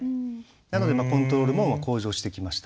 なのでコントロールも向上してきました。